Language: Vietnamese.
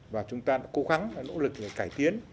và chúng ta đã cố gắng nỗ lực để cải tiến